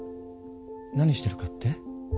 何してるかって？